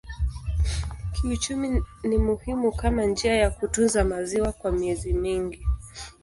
Kiuchumi ni muhimu kama njia ya kutunza maziwa kwa miezi mingi.